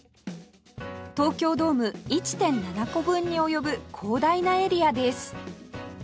東京ドーム １．７ 個分に及ぶ広大なエリアです